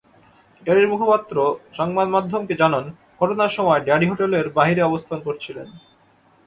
ড্যাডির মুখপাত্র সংবাদমাধ্যমকে জানান, ঘটনার সময় ড্যাডি হোটেলের বাইরে অবস্থান করছিলেন।